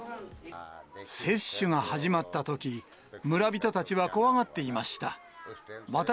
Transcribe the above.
接種が始まったとき、村人たちは怖がっていました。